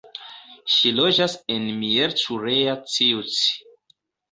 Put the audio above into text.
Ŝi loĝas en Miercurea Ciuc.